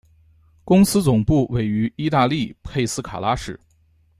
公司总部位于意大利佩斯卡拉市。